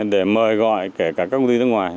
để mời gọi kể cả các công ty nước ngoài